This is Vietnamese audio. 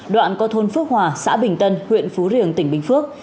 đoạn qua thôn phước hòa xã bình tân huyện phú riềng tỉnh bình phước